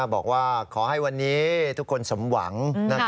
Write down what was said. บอกว่าขอให้วันนี้ทุกคนสมหวัง